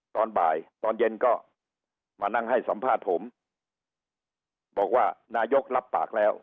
ตอนบ่ายตอนเย็นก็มานั่งให้สัมภาษณ์ผมบอกว่านายกรับปากแล้ว